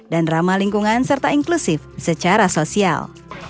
ramah lingkungan serta inklusif secara sosial